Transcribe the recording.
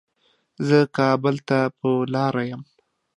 زه کابل ته په لاره يم